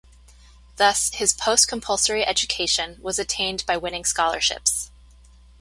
Thus, his post-compulsory education was attained by winning scholarships.